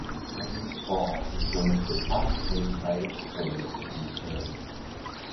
Hydon's Ball is one of the top ten highest points in Surrey.